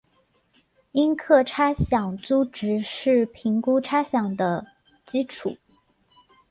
应课差饷租值是评估差饷的基础。